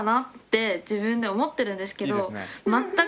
自分では思ってるんですけど。